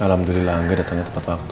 alhamdulillah angga datangnya tepat waktu